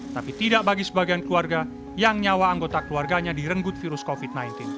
tapi tidak bagi sebagian keluarga yang nyawa anggota keluarganya direnggut virus covid sembilan belas